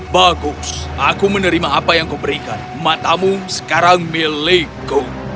bagus aku menerima apa yang kau berikan matamu sekarang milikku